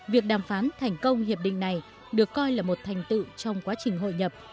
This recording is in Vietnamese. việc đàm phán thành công hiệp định này được coi là một thành tựu trong quá trình hội nhập